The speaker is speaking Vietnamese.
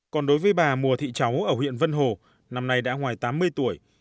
còn đối với bà mùa thị cháu ở huyện vân hồ năm nay đã ngoài tám mươi tuổi